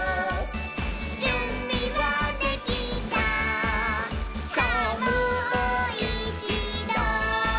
「じゅんびはできたさぁもういちど」